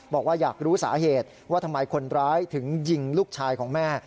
บอกว่าอยากรู้สาเหตุว่าทำไมคนร้ายถึงยิงลูกชายของแม่